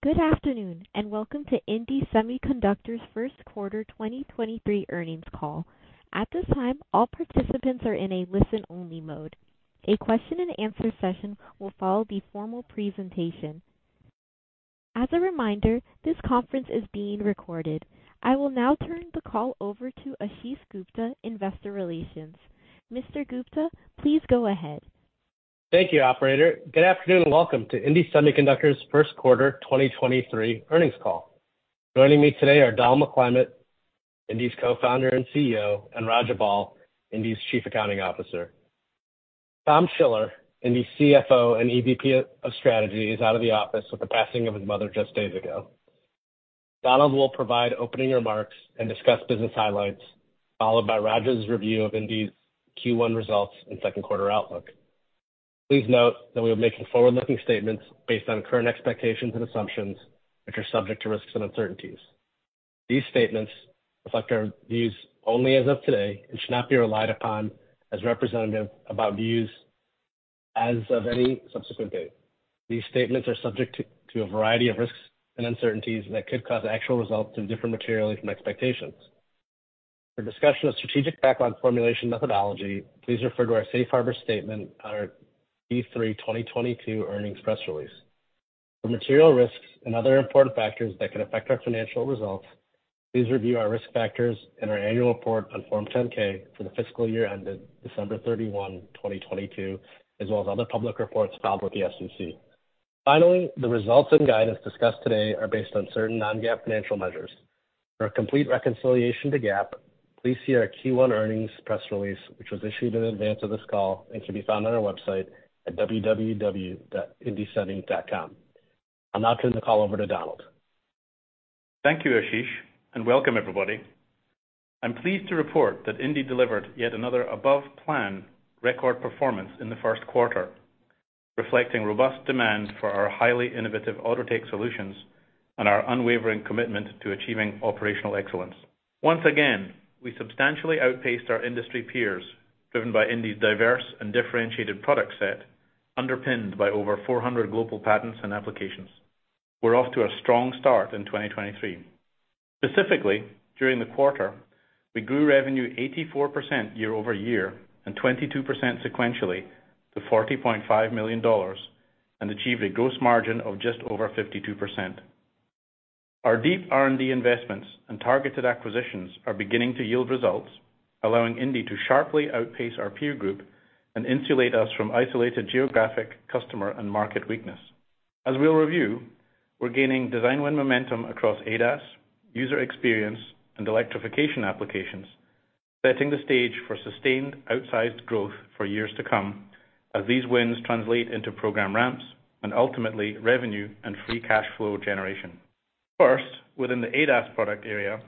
Good afternoon. Welcome to indie Semiconductor's first quarter 2023 earnings call. At this time, all participants are in a listen-only mode. A question and answer session will follow the formal presentation. As a reminder, this conference is being recorded. I will now turn the call over to Ashish Gupta, Investor Relations. Mr. Gupta, please go ahead. Thank you, operator. Good afternoon, welcome to indie Semiconductor's first quarter 2023 earnings call. Joining me today are Donald McClymont, indie's Co-founder and CEO, and Raja Bal, indie's Chief Accounting Officer. Tom Schiller, indie's CFO and EVP of Strategy, is out of the office with the passing of his mother just days ago. Donald will provide opening remarks and discuss business highlights, followed by Raja's review of indie's Q1 results and second quarter outlook. Please note that we are making forward-looking statements based on current expectations and assumptions, which are subject to risks and uncertainties. These statements reflect our views only as of today and should not be relied upon as representative about views as of any subsequent date. These statements are subject to a variety of risks and uncertainties that could cause actual results to differ materially from expectations. For discussion of strategic background formulation methodology, please refer to our safe harbor statement on our Q3 2022 earnings press release. For material risks and other important factors that can affect our financial results, please review our risk factors and our annual report on Form 10-K for the fiscal year ended December 31, 2022, as well as other public reports filed with the SEC. Finally, the results and guidance discussed today are based on certain non-GAAP financial measures. For a complete reconciliation to GAAP, please see our Q1 earnings press release, which was issued in advance of this call and can be found on our website at www.indiesemi.com. I'll now turn the call over to Donald. Thank you, Ashish. Welcome everybody. I'm pleased to report that Indie delivered yet another above plan record performance in the first quarter, reflecting robust demand for our highly innovative Autotech solutions and our unwavering commitment to achieving operational excellence. Once again, we substantially outpaced our industry peers, driven by Indie's diverse and differentiated product set, underpinned by over 400 global patents and applications. We're off to a strong start in 2023. Specifically, during the quarter, we grew revenue 84% year-over-year and 22% sequentially to $40.5 million and achieved a gross margin of just over 52%. Our deep R&D investments and targeted acquisitions are beginning to yield results, allowing Indie to sharply outpace our peer group and insulate us from isolated geographic, customer, and market weakness. As we'll review, we're gaining design win momentum across ADAS, user experience, and electrification applications, setting the stage for sustained outsized growth for years to come as these wins translate into program ramps and ultimately revenue and free cash flow generation. First, within the ADAS product area,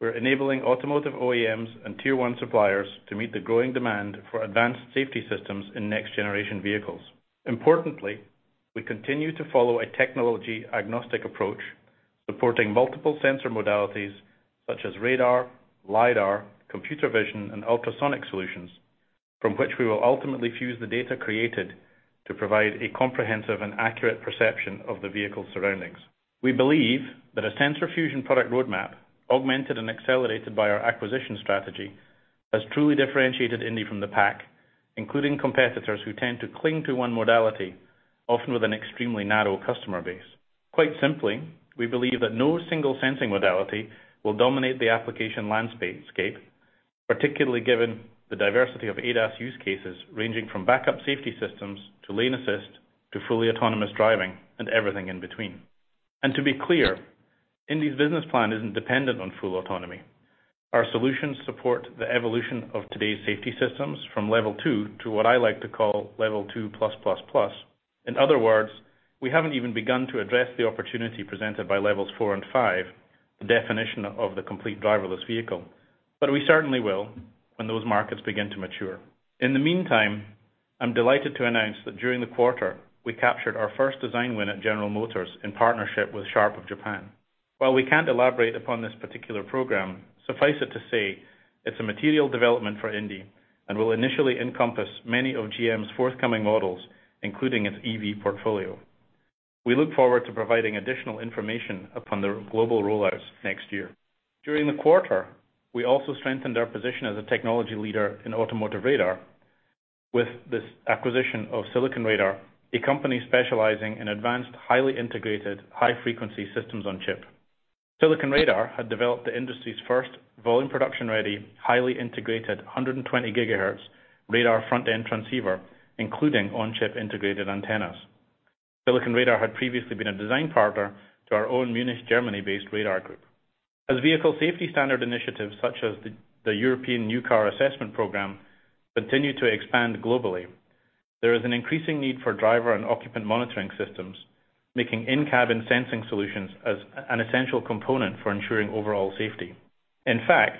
we're enabling automotive OEMs and tier 1 suppliers to meet the growing demand for advanced safety systems in next generation vehicles. Importantly, we continue to follow a technology agnostic approach, supporting multiple sensor modalities such as radar, LiDAR, computer vision, and ultrasonic solutions from which we will ultimately fuse the data created to provide a comprehensive and accurate perception of the vehicle's surroundings. We believe that a sensor fusion product roadmap, augmented and accelerated by our acquisition strategy, has truly differentiated indie from the pack, including competitors who tend to cling to one modality, often with an extremely narrow customer base. Quite simply, we believe that no single sensing modality will dominate the application landscape, particularly given the diversity of ADAS use cases ranging from backup safety systems to lane assist to fully autonomous driving and everything in between. To be clear, indie's business plan isn't dependent on full autonomy. Our solutions support the evolution of today's safety systems from Level 2 to what I like to call Level 2 plus plus plus. In other words, we haven't even begun to address the opportunity presented by Levels 4 and 5, the definition of the complete driverless vehicle. We certainly will when those markets begin to mature. In the meantime, I'm delighted to announce that during the quarter, we captured our first design win at General Motors in partnership with Sharp of Japan. While we can't elaborate upon this particular program, suffice it to say it's a material development for Indie and will initially encompass many of GM's forthcoming models, including its EV portfolio. We look forward to providing additional information upon their global rollouts next year. During the quarter, we also strengthened our position as a technology leader in automotive radar with this acquisition of Silicon Radar, a company specializing in advanced, highly integrated, high-frequency systems on chip. Silicon Radar had developed the industry's first volume production-ready, highly integrated 120 GHz radar front-end transceiver, including on-chip integrated antennas. Silicon Radar had previously been a design partner to our own Munich, Germany-based radar group. As vehicle safety standard initiatives, such as the European New Car Assessment Programme, continue to expand globally, there is an increasing need for driver and occupant monitoring systems, making in-cabin sensing solutions as an essential component for ensuring overall safety. In fact,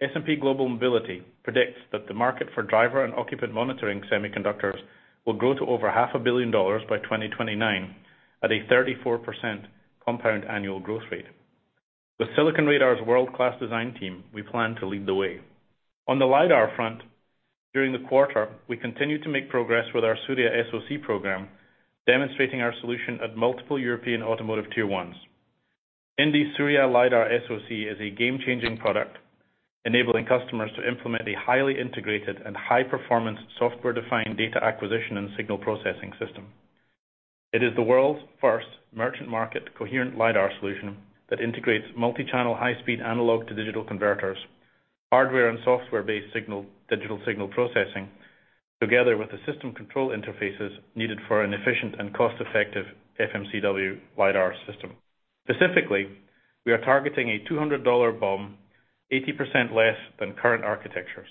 S&P Global Mobility predicts that the market for driver and occupant monitoring semiconductors will grow to over half a billion dollars by 2029 at a 34% compound annual growth rate. With Silicon Radar's world-class design team, we plan to lead the way. On the LiDAR front, during the quarter, we continued to make progress with our Surya SoC program, demonstrating our solution at multiple European automotive tier ones. Indie Surya LiDAR SoC is a game-changing product, enabling customers to implement a highly integrated and high-performance software-defined data acquisition and signal processing system. It is the world's first merchant market coherent LiDAR solution that integrates multi-channel high-speed analog to digital converters, hardware and software-based digital signal processing, together with the system control interfaces needed for an efficient and cost-effective FMCW LiDAR system. Specifically, we are targeting a $200 BOM, 80% less than current architectures.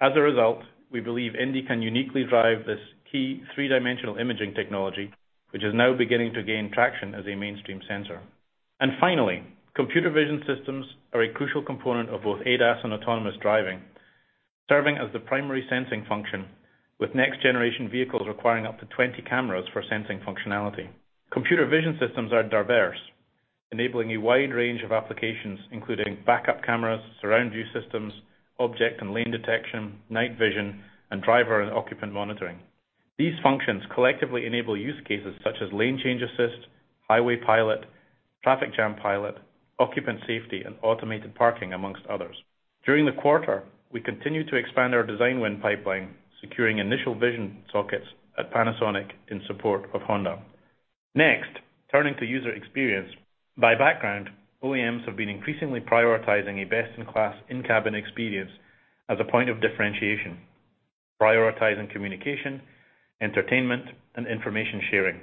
As a result, we believe indie can uniquely drive this key three-dimensional imaging technology, which is now beginning to gain traction as a mainstream sensor. Finally, computer vision systems are a crucial component of both ADAS and autonomous driving, serving as the primary sensing function, with next generation vehicles requiring up to 20 cameras for sensing functionality. Computer vision systems are diverse, enabling a wide range of applications, including backup cameras, surround view systems, object and lane detection, night vision, and driver and occupant monitoring. These functions collectively enable use cases such as lane change assist, highway pilot, traffic jam pilot, occupant safety, and automated parking, amongst others. During the quarter, we continued to expand our design win pipeline, securing initial vision sockets at Panasonic in support of Honda. Turning to user experience. By background, OEMs have been increasingly prioritizing a best-in-class in-cabin experience as a point of differentiation, prioritizing communication, entertainment, and information sharing.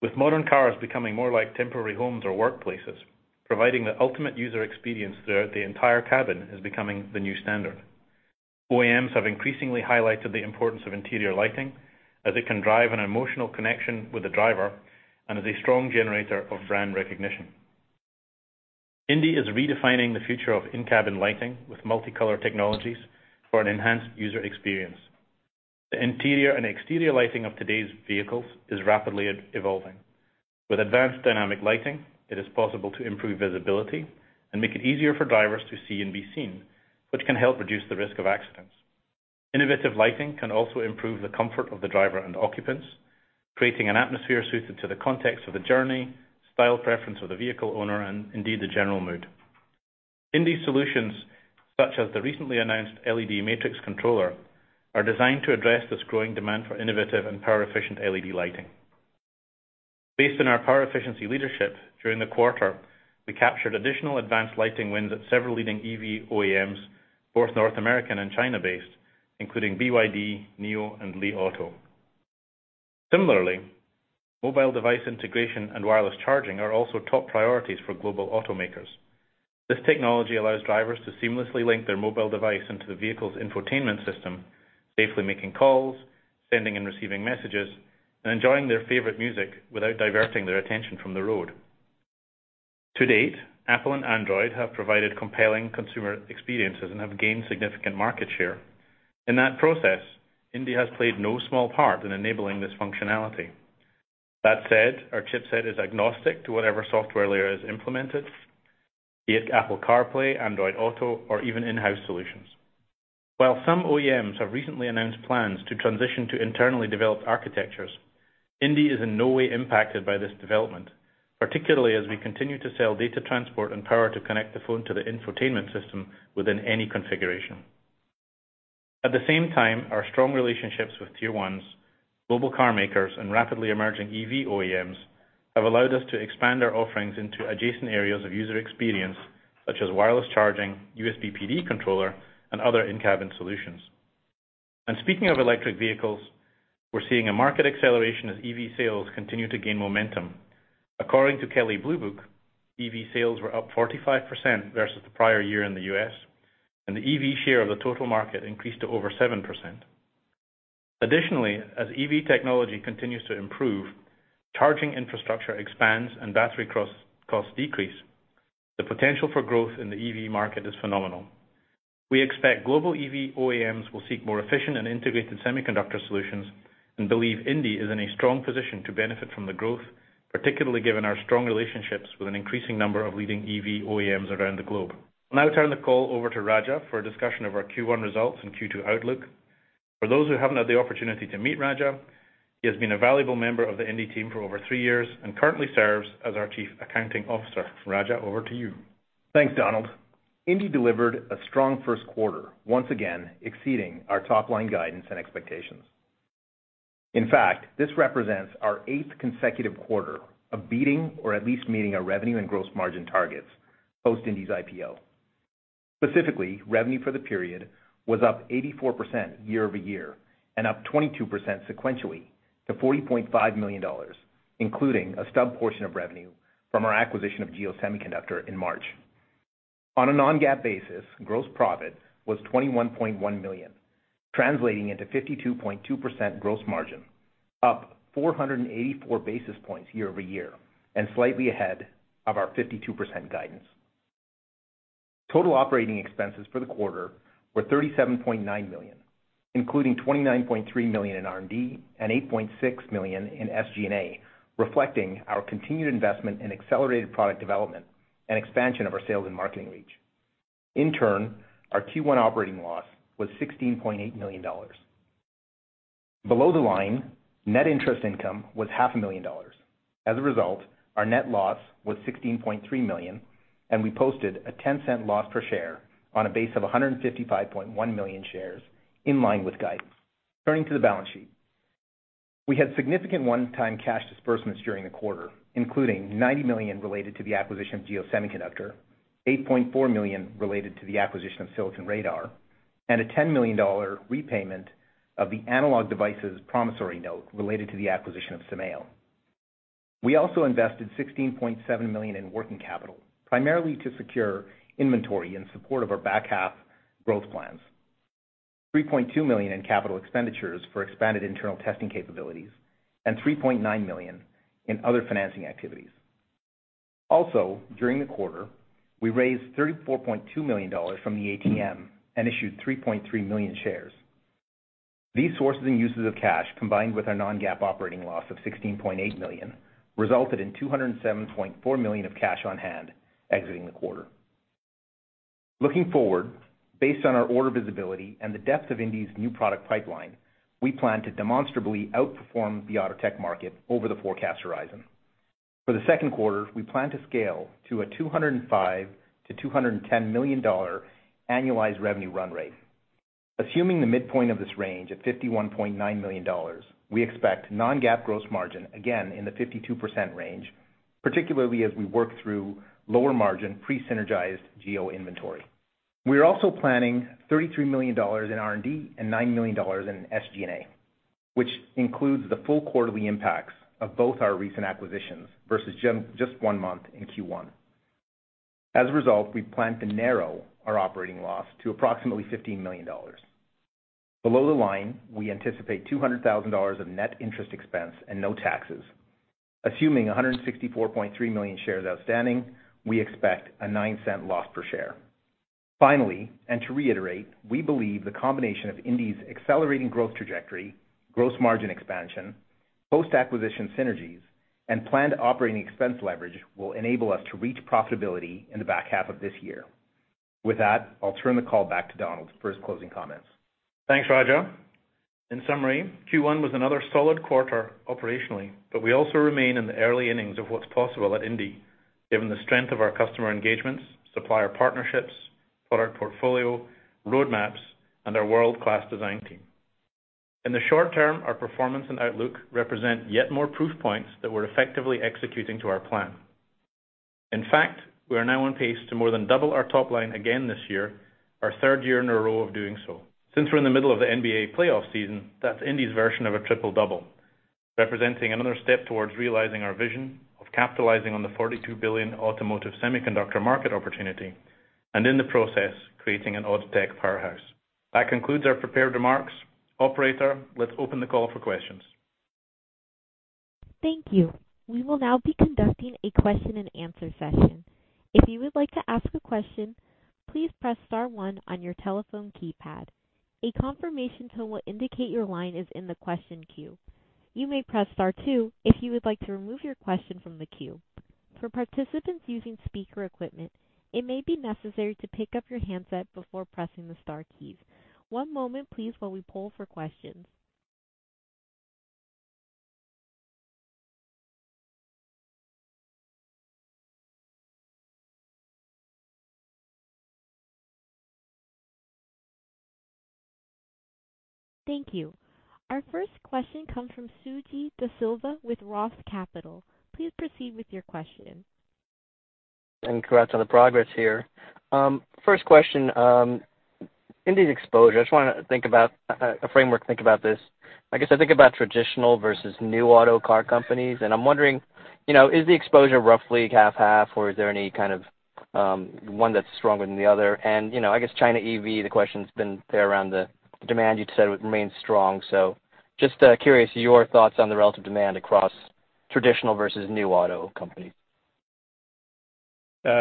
With modern cars becoming more like temporary homes or workplaces, providing the ultimate user experience throughout the entire cabin is becoming the new standard. OEMs have increasingly highlighted the importance of interior lighting as it can drive an emotional connection with the driver and is a strong generator of brand recognition. Indie is redefining the future of in-cabin lighting with multicolor technologies for an enhanced user experience. The interior and exterior lighting of today's vehicles is rapidly evolving. With advanced dynamic lighting, it is possible to improve visibility and make it easier for drivers to see and be seen, which can help reduce the risk of accidents. Innovative lighting can also improve the comfort of the driver and occupants, creating an atmosphere suited to the context of the journey, style preference of the vehicle owner, and indeed, the general mood. Indie solutions, such as the recently announced LED matrix controller, are designed to address this growing demand for innovative and power-efficient LED lighting. Based on our power efficiency leadership during the quarter, we captured additional advanced lighting wins at several leading EV OEMs, both North American and China-based, including BYD, NIO, and Li Auto. Similarly, mobile device integration and wireless charging are also top priorities for global automakers. This technology allows drivers to seamlessly link their mobile device into the vehicle's infotainment system, safely making calls, sending and receiving messages, and enjoying their favorite music without diverting their attention from the road. To date, Apple and Android have provided compelling consumer experiences and have gained significant market share. In that process, Indie has played no small part in enabling this functionality. That said, our chipset is agnostic to whatever software layer is implemented, be it Apple CarPlay, Android Auto, or even in-house solutions. While some OEMs have recently announced plans to transition to internally developed architectures, Indie is in no way impacted by this development, particularly as we continue to sell data transport and power to connect the phone to the infotainment system within any configuration. At the same time, our strong relationships with tier ones, global carmakers, and rapidly emerging EV OEMs have allowed us to expand our offerings into adjacent areas of user experience, such as wireless charging, USB PD controller, and other in-cabin solutions. Speaking of electric vehicles, we're seeing a market acceleration as EV sales continue to gain momentum. According to Kelley Blue Book, EV sales were up 45% versus the prior year in the US, and the EV share of the total market increased to over 7%. Additionally, as EV technology continues to improve, charging infrastructure expands and battery costs decrease, the potential for growth in the EV market is phenomenal. We expect global EV OEMs will seek more efficient and integrated semiconductor solutions and believe indie is in a strong position to benefit from the growth, particularly given our strong relationships with an increasing number of leading EV OEMs around the globe. I'll now turn the call over to Raja for a discussion of our Q1 results and Q2 outlook. For those who haven't had the opportunity to meet Raja, he has been a valuable member of the indie team for over three years and currently serves as our Chief Accounting Officer. Raja, over to you. Thanks, Donald. indie delivered a strong first quarter, once again exceeding our top-line guidance and expectations. In fact, this represents our eighth consecutive quarter of beating or at least meeting our revenue and gross margin targets post indie's IPO. Specifically, revenue for the period was up 84% year-over-year and up 22% sequentially to $40.5 million, including a stub portion of revenue from our acquisition of GEO Semiconductor in March. On a non-GAAP basis, gross profit was $21.1 million, translating into 52.2% gross margin, up 484 basis points year-over-year and slightly ahead of our 52% guidance. Total operating expenses for the quarter were $37.9 million, including $29.3 million in R&D and $8.6 million in SG&A, reflecting our continued investment in accelerated product development and expansion of our sales and marketing reach. In turn, our Q1 operating loss was $16.8 million. Below the line, net interest income was half a million dollars. As a result, our net loss was $16.3 million, and we posted a $0.10 loss per share on a base of 155.1 million shares in line with guidance. Turning to the balance sheet. We had significant one-time cash disbursements during the quarter, including $90 million related to the acquisition of GEO Semiconductor, $8.4 million related to the acquisition of Silicon Radar, and a $10 million repayment of the Analog Devices promissory note related to the acquisition of Symeo. We also invested $16.7 million in working capital, primarily to secure inventory in support of our back half growth plans, $3.2 million in capital expenditures for expanded internal testing capabilities, and $3.9 million in other financing activities. Also, during the quarter, we raised $34.2 million from the ATM and issued 3.3 million shares. These sources and uses of cash, combined with our non-GAAP operating loss of $16.8 million, resulted in $207.4 million of cash on hand exiting the quarter. Looking forward, based on our order visibility and the depth of indie's new product pipeline, we plan to demonstrably outperform the Autotech market over the forecast horizon. For the second quarter, we plan to scale to a $205 million-$210 million annualized revenue run rate. Assuming the midpoint of this range at $51.9 million, we expect non-GAAP gross margin again in the 52% range, particularly as we work through lower margin pre-synergized GEO inventory. We are also planning $33 million in R&D and $9 million in SG&A, which includes the full quarterly impacts of both our recent acquisitions versus just 1 month in Q1. As a result, we plan to narrow our operating loss to approximately $15 million. Below the line, we anticipate $200,000 of net interest expense and no taxes. Assuming 164.3 million shares outstanding, we expect a $0.09 loss per share. Finally, to reiterate, we believe the combination of indie's accelerating growth trajectory, gross margin expansion, post-acquisition synergies, and planned operating expense leverage will enable us to reach profitability in the back half of this year. With that, I'll turn the call back to Donald for his closing comments. Thanks, Raja. In summary, Q1 was another solid quarter operationally, but we also remain in the early innings of what's possible at indie, given the strength of our customer engagements, supplier partnerships, product portfolio, roadmaps, and our world-class design team. In the short term, our performance and outlook represent yet more proof points that we're effectively executing to our plan. In fact, we are now on pace to more than double our top line again this year, our third year in a row of doing so. Since we're in the middle of the NBA playoff season, that's indie's version of a triple double, representing another step towards realizing our vision of capitalizing on the $42 billion automotive semiconductor market opportunity and in the process, creating an Autotech powerhouse. That concludes our prepared remarks. Operator, let's open the call for questions. Thank you. We will now be conducting a question and answer session. If you would like to ask a question, please press star one on your telephone keypad. A confirmation tone will indicate your line is in the question queue. You may press star two if you would like to remove your question from the queue. For participants using speaker equipment, it may be necessary to pick up your handset before pressing the star keys. One moment please while we poll for questions. Thank you. Our first question comes from Suji Desilva with ROTH Capital Partners. Please proceed with your question. Congrats on the progress here. First question, Indie's exposure. I just wanna think about a framework think about this. I guess I think about traditional versus new auto car companies, and I'm wondering, you know, is the exposure roughly half-half or is there any kind of one that's stronger than the other? You know, I guess China EV, the question's been there around the demand you'd said would remain strong. Just curious your thoughts on the relative demand across traditional versus new auto companies.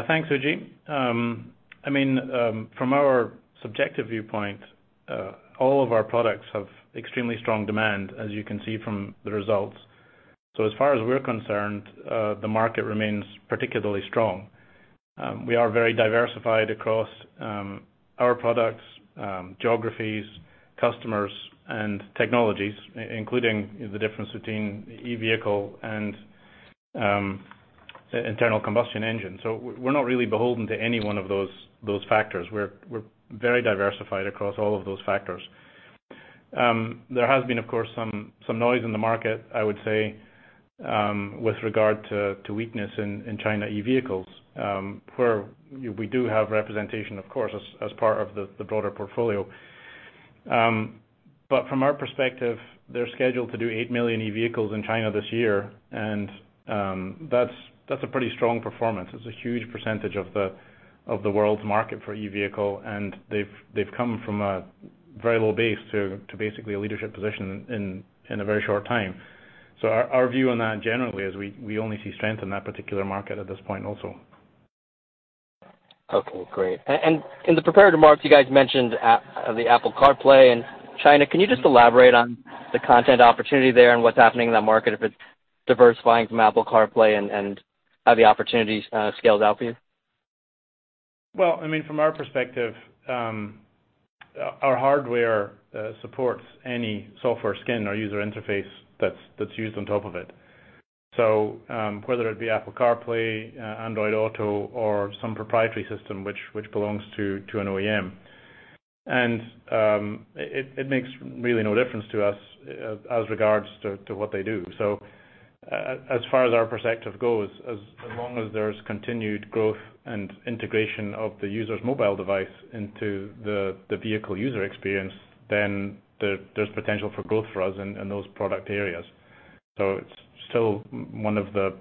Thanks, Suji. I mean, from our subjective viewpoint, all of our products have extremely strong demand, as you can see from the results. As far as we're concerned, the market remains particularly strong. We are very diversified across our products, geographies, customers, and technologies, including the difference between e-vehicle and internal combustion engine. We're not really beholden to any one of those factors. We're very diversified across all of those factors. There has been, of course, some noise in the market, I would say, with regard to weakness in China e-vehicles, where we do have representation, of course, as part of the broader portfolio. From our perspective, they're scheduled to do 8 million e-vehicles in China this year, and that's a pretty strong performance. It's a huge percentage of the world's market for e-vehicle, and they've come from a very low base to basically a leadership position in a very short time. Our view on that generally is we only see strength in that particular market at this point also. Okay, great. In the prepared remarks, you guys mentioned the Apple CarPlay in China. Can you just elaborate on the content opportunity there and what's happening in that market, if it's diversifying from Apple CarPlay and how the opportunities scales out for you? Well, I mean, from our perspective, our hardware supports any software skin or user interface that's used on top of it. Whether it be Apple CarPlay, Android Auto or some proprietary system which belongs to an OEM. It makes really no difference to us, as regards to what they do. As far as our perspective goes, as long as there's continued growth and integration of the user's mobile device into the vehicle user experience, then there's potential for growth for us in those product areas. It's still one of the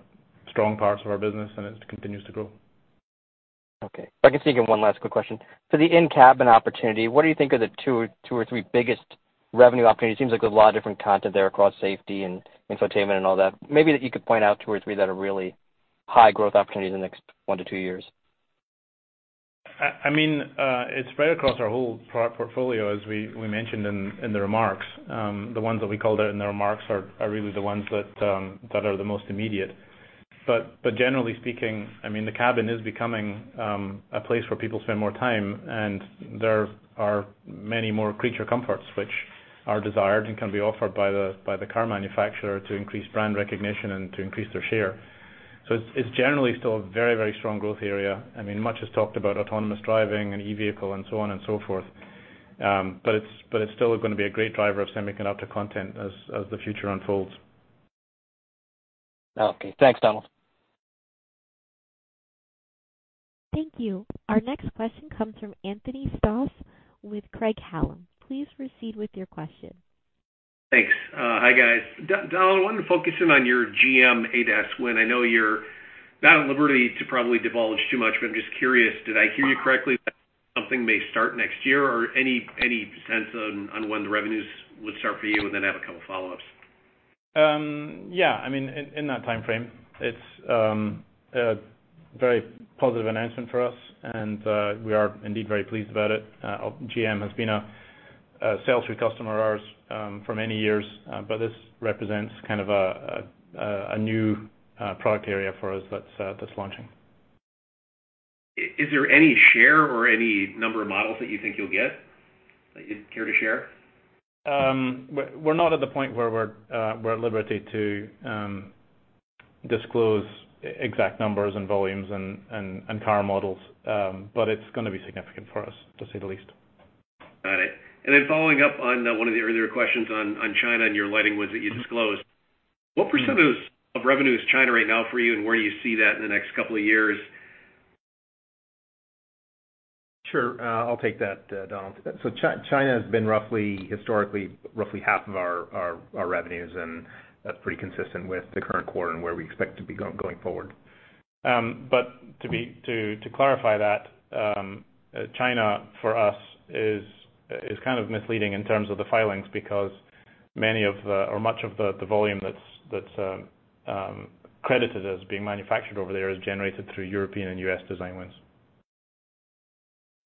strong parts of our business, and it continues to grow. Okay. If I can sneak in one last quick question. For the in-cabin opportunity, what do you think are the two or three biggest revenue opportunities? Seems like there's a lot of different content there across safety and infotainment and all that. Maybe that you could point out two or three that are really high growth opportunities in the next one to two years. I mean, it's right across our whole product portfolio, as we mentioned in the remarks. The ones that we called out in the remarks are really the ones that are the most immediate. Generally speaking, I mean, the cabin is becoming a place where people spend more time, and there are many more creature comforts which are desired and can be offered by the car manufacturer to increase brand recognition and to increase their share. It's generally still a very strong growth area. I mean, much is talked about autonomous driving and e-vehicle and so on and so forth. It's still gonna be a great driver of semiconductor content as the future unfolds. Okay. Thanks, Donald. Thank you. Our next question comes from Anthony Stoss with Craig-Hallum. Please proceed with your question. Thanks. Hi, guys. Donald, I wanted to focus in on your GM ADAS win. I know you're not at liberty to probably divulge too much, but I'm just curious, did I hear you correctly that something may start next year, or any sense on when the revenues would start for you? Then I have a couple follow-ups. Yeah, I mean, in that timeframe. It's a very positive announcement for us, and we are indeed very pleased about it. GM has been a sales-free customer of ours for many years, but this represents kind of a new product area for us that's launching. Is there any share or any number of models that you think you'll get that you'd care to share? We're not at the point where we're at liberty to disclose exact numbers and volumes and car models. It's gonna be significant for us, to say the least. Got it. Then following up on, one of the earlier questions on China and your lighting wins that you disclosed. What % of revenue is China right now for you, and where do you see that in the next couple of years? Sure. I'll take that Donald. China has been roughly, historically, roughly half of our revenues, and that's pretty consistent with the current quarter and where we expect to be going forward. To clarify that, China for us is kind of misleading in terms of the filings because many of the, or much of the volume that's credited as being manufactured over there is generated through European and US design wins.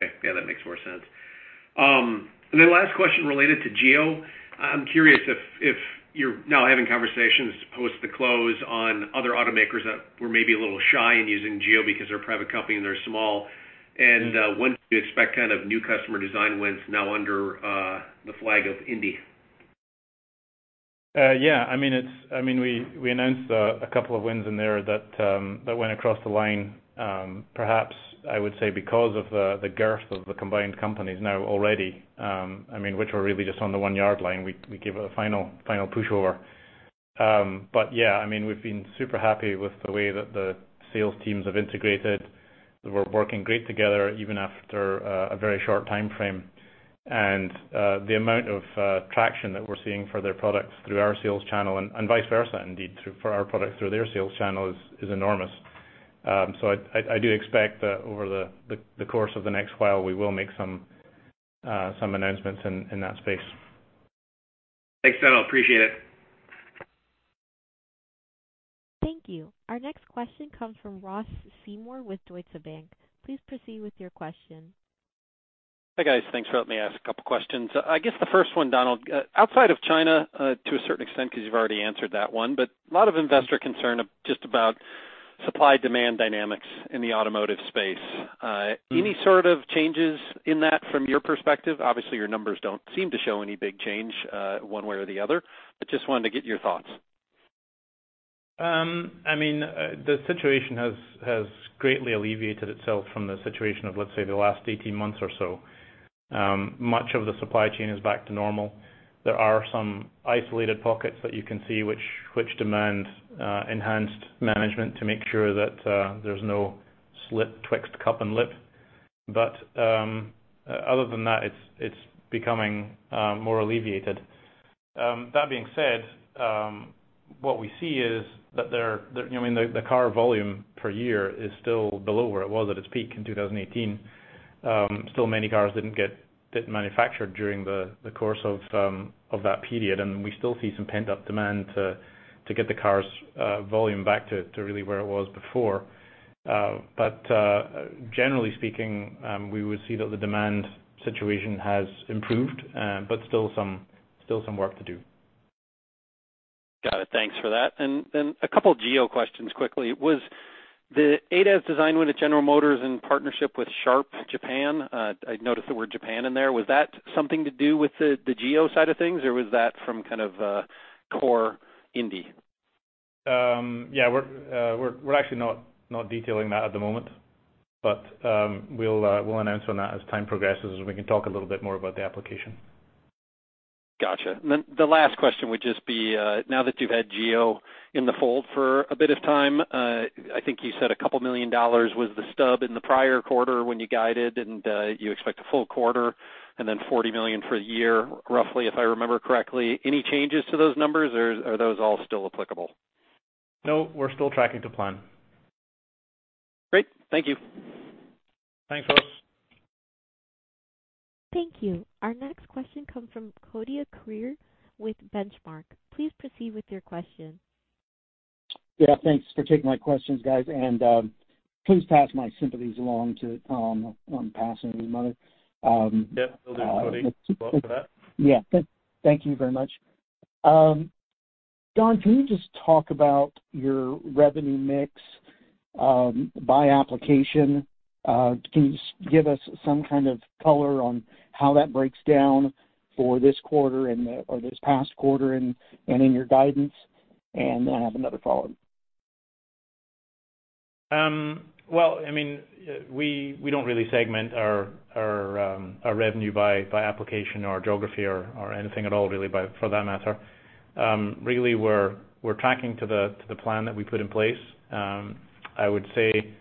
Okay. Yeah, that makes more sense. Last question related to GEO Semiconductor. I'm curious if you're now having conversations post the close on other automakers that were maybe a little shy in using GEO Semiconductor because they're a private company and they're small. When do you expect kind of new customer design wins now under the flag of indie Semiconductor? Yeah. I mean, we announced a couple of wins in there that went across the line, perhaps I would say because of the girth of the combined companies now already, I mean, which were really just on the one yard line. We gave it a final push over. But yeah, I mean, we've been super happy with the way that the sales teams have integrated. We're working great together, even after a very short time frame. The amount of traction that we're seeing for their products through our sales channel and vice versa, indeed, for our products through their sales channel is enormous. I do expect that over the course of the next while, we will make some announcements in that space. Thanks, Donald. Appreciate it. Thank you. Our next question comes from Ross Seymore with Deutsche Bank. Please proceed with your question. Hi, guys. Thanks for letting me ask a couple questions. I guess the first one, Donald, outside of China, to a certain extent, 'cause you've already answered that one, but a lot of investor concern just about supply-demand dynamics in the automotive space. Mm-hmm. Any sort of changes in that from your perspective? Obviously, your numbers don't seem to show any big change, one way or the other, but just wanted to get your thoughts. I mean, the situation has greatly alleviated itself from the situation of, let's say, the last 18 months or so. Much of the supply chain is back to normal. There are some isolated pockets that you can see which demand enhanced management to make sure that there's no slip twixt cup and lip. Other than that, it's becoming more alleviated. That being said, what we see is that there, you know what I mean? The car volume per year is still below where it was at its peak in 2018. Still many cars didn't manufacture during the course of that period, and we still see some pent-up demand to get the cars volume back to really where it was before. Generally speaking, we would see that the demand situation has improved, but still some work to do. Got it. Thanks for that. Then a couple GEO questions quickly. Was the ADAS design win with General Motors in partnership with Sharp Japan? I noticed the word Japan in there. Was that something to do with the GEO side of things, or was that from kind of a core indie? Yeah, we're actually not detailing that at the moment. We'll announce on that as time progresses, and we can talk a little bit more about the application. Gotcha. The last question would just be, now that you've had Geo in the fold for a bit of time, I think you said a couple million dollars was the stub in the prior quarter when you guided, and, you expect a full quarter and then $40 million for the year, roughly, if I remember correctly. Any changes to those numbers, or are those all still applicable? No, we're still tracking to plan. Great. Thank you. Thanks, folks. Thank you. Our next question comes from Cody Acree with Benchmark. Please proceed with your question. Yeah, thanks for taking my questions, guys. please pass my sympathies along to Tom on passing, mother. Yeah. Will do, Cody. Thanks a lot for that. Yeah. Thank you very much. Don, can you just talk about your revenue mix, by application? Can you give us some kind of color on how that breaks down for this quarter or this past quarter and in your guidance? I have another follow-up. Well, I mean, we don't really segment our revenue by application or geography or anything at all really by for that matter. Really, we're tracking to the plan that we put in place. I would say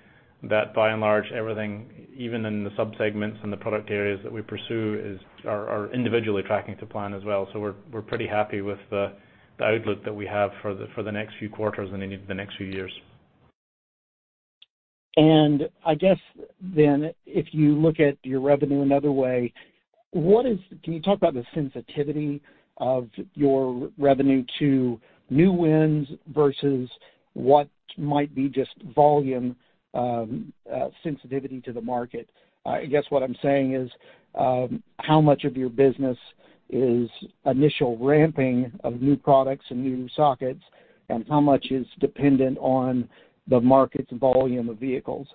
that by and large, everything, even in the sub-segments and the product areas that we pursue are individually tracking to plan as well. We're pretty happy with the outlook that we have for the next few quarters and into the next few years. I guess then if you look at your revenue another way, what is, can you talk about the sensitivity of your revenue to new wins versus what might be just volume, sensitivity to the market? I guess what I'm saying is, how much of your business is initial ramping of new products and new sockets, and how much is dependent on the market's volume of vehicles?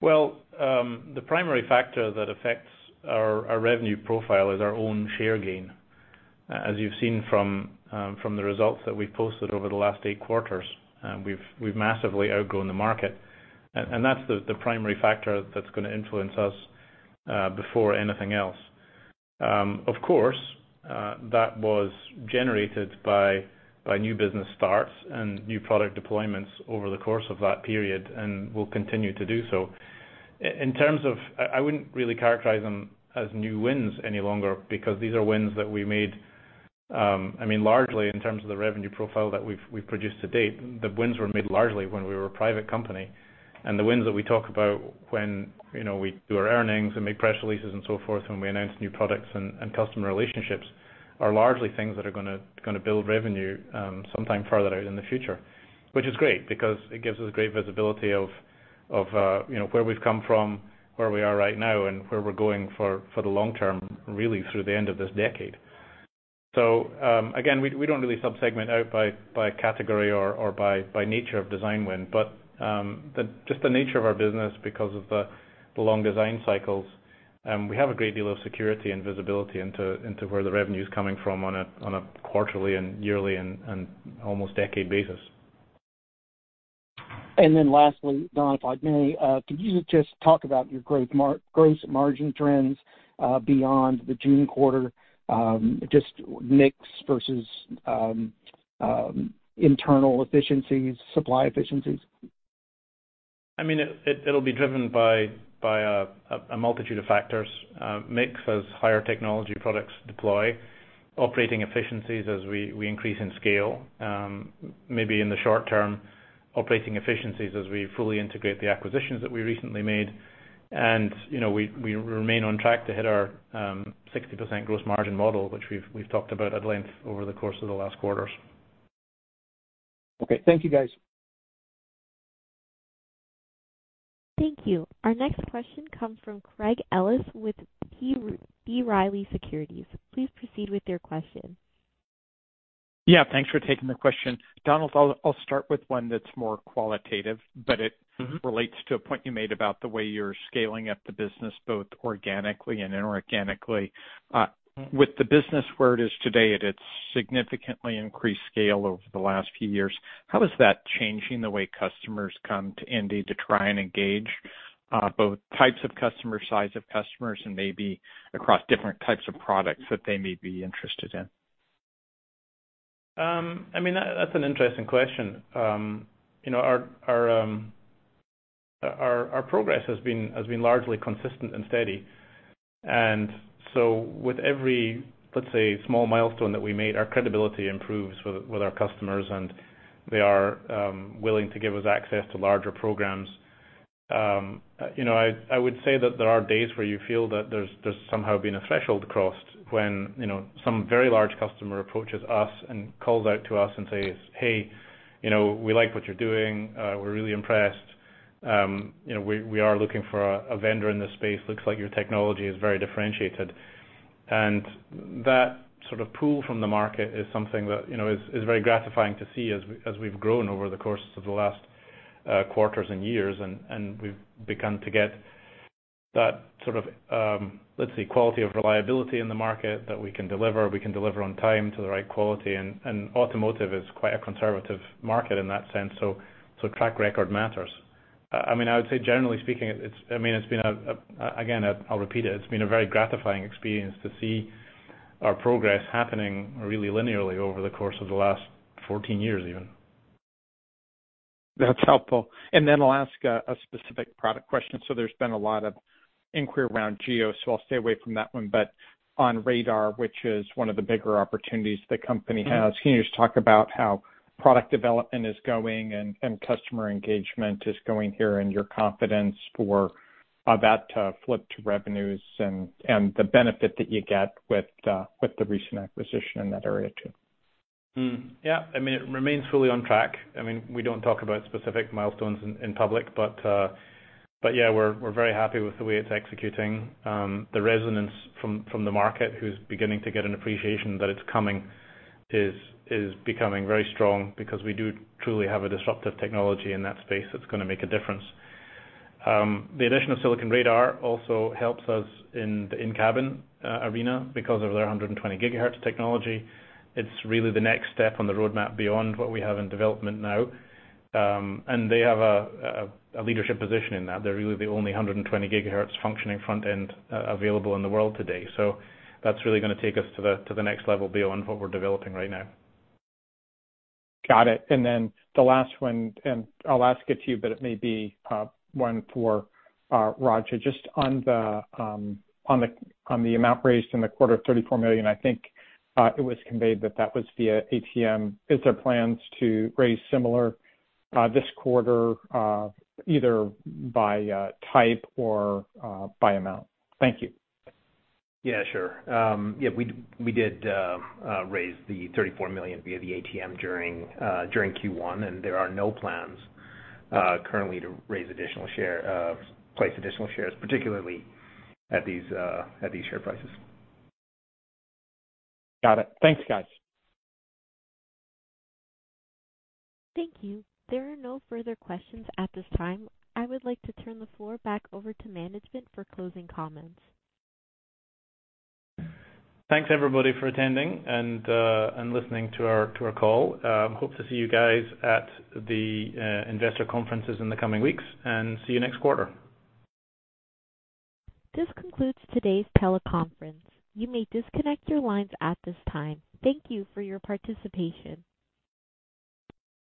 Well, the primary factor that affects our revenue profile is our own share gain. As you've seen from the results that we've posted over the last 8 quarters, we've massively outgrown the market. That's the primary factor that's gonna influence us before anything else. Of course, that was generated by new business starts and new product deployments over the course of that period and will continue to do so. In terms of, I wouldn't really characterize them as new wins any longer because these are wins that we made, I mean, largely in terms of the revenue profile that we've produced to date, the wins were made largely when we were a private company. The wins that we talk about when, you know, we do our earnings and make press releases and so forth, when we announce new products and customer relationships, are largely things that are gonna build revenue sometime further out in the future, which is great because it gives us great visibility of, you know, where we've come from, where we are right now, and where we're going for the long term, really through the end of this decade. Again, we don't really sub-segment out by category or by nature of design win. Just the nature of our business because of the long design cycles, we have a great deal of security and visibility into where the revenue's coming from on a quarterly and yearly and almost decade basis. Lastly, Don, if I may, could you just talk about your gross margin trends, beyond the June quarter, just mix versus internal efficiencies, supply efficiencies? I mean, it'll be driven by a multitude of factors. Mix as higher technology products deploy, operating efficiencies as we increase in scale, maybe in the short term, operating efficiencies as we fully integrate the acquisitions that we recently made. You know, we remain on track to hit our 60% gross margin model, which we've talked about at length over the course of the last quarters. Thank you, guys. Thank you. Our next question comes from Craig Ellis with B. Riley Securities. Please proceed with your question. Yeah, thanks for taking the question. Donald, I'll start with one that's more qualitative, but. Mm-hmm. Relates to a point you made about the way you're scaling up the business, both organically and inorganically. With the business where it is today at its significantly increased scale over the last few years, how is that changing the way customers come to indie to try and engage, both types of customers, size of customers, and maybe across different types of products that they may be interested in? I mean, that's an interesting question. You know, our progress has been largely consistent and steady. With every, let's say, small milestone that we made, our credibility improves with our customers, and they are willing to give us access to larger programs. You know, I would say that there are days where you feel that there's somehow been a threshold crossed when, you know, some very large customer approaches us and calls out to us and says, "Hey, you know, we like what you're doing. We're really impressed. You know, we are looking for a vendor in this space. Looks like your technology is very differentiated." That sort of pull from the market is something that, you know, is very gratifying to see as we, as we've grown over the course of the last quarters and years. We've begun to get that sort of, let's say, quality of reliability in the market that we can deliver. We can deliver on time to the right quality and automotive is quite a conservative market in that sense. Track record matters. I mean, I would say generally speaking, I mean, it's been again, I'll repeat it. It's been a very gratifying experience to see our progress happening really linearly over the course of the last 14 years even. That's helpful. Then I'll ask a specific product question. There's been a lot of inquiry around GEO, so I'll stay away from that one. On radar, which is one of the bigger opportunities the company has, can you just talk about how product development is going and customer engagement is going here, and your confidence for that to flip to revenues and the benefit that you get with the recent acquisition in that area too? Yeah. I mean, it remains fully on track. I mean, we don't talk about specific milestones in public. Yeah, we're very happy with the way it's executing. The resonance from the market who's beginning to get an appreciation that it's coming is becoming very strong because we do truly have a disruptive technology in that space that's gonna make a difference. The addition of Silicon Radar also helps us in the in-cabin arena because of their 120 GHz technology. It's really the next step on the roadmap beyond what we have in development now. They have a leadership position in that. They're really the only 120 GHz functioning front end available in the world today. That's really gonna take us to the next level beyond what we're developing right now. Got it. The last one, and I'll ask it to you, but it may be one for Raja. Just on the amount raised in the quarter, $34 million, I think, it was conveyed that that was via ATM. Is there plans to raise similar this quarter, either by type or by amount? Thank you. Yeah, sure. We did raise the $34 million via the ATM during Q1. There are no plans currently to place additional shares, particularly at these share prices. Got it. Thanks, guys. Thank you. There are no further questions at this time. I would like to turn the floor back over to management for closing comments. Thanks everybody for attending and listening to our call. Hope to see you guys at the investor conferences in the coming weeks, and see you next quarter. This concludes today's teleconference. You may disconnect your lines at this time. Thank you for your participation.